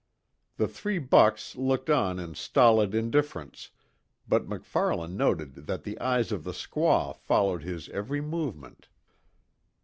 The three bucks looked on in stolid indifference but MacFarlane noted that the eyes of the squaw followed his every movement.